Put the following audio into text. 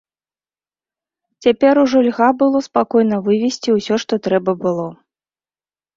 Цяпер ужо льга было спакойна вывезці ўсё, што трэба было.